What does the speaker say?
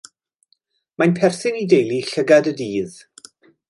Mae'n perthyn i deulu llygad y dydd.